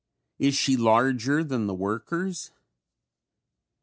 Is she larger than the workers?